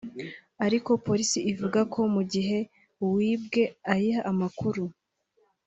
ariko polisi ivuga ko mu gihe uwibwe ayihaye amakuru